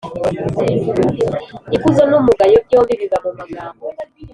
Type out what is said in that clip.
Ikuzo n’umugayo, byombi biba mu magambo,